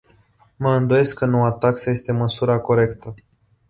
Mă îndoiesc că noua taxă este măsura corectă.